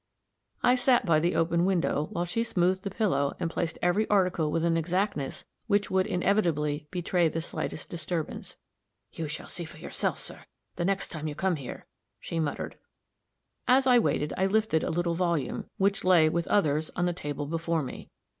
I sat by the open window, while she smoothed the pillow, and placed every article with an exactness which would inevitably betray the slightest disturbance. "You shall see for yourself, sir, the next time you come here," she muttered. As I waited, I lifted a little volume, which lay, with others, on the table before me.